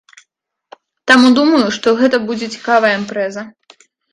Таму думаю, што гэта будзе цікавая імпрэза.